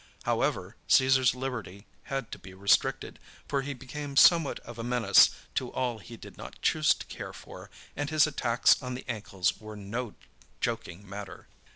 However, Caesar's liberty had to be restricted, for he became somewhat of a menace to all he did not choose to care for, and his attacks on the ankles were no joking matter.